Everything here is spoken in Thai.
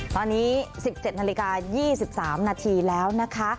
ตอนนี้๑๗นาฬิกา๒๓นาทีแล้วนะคะ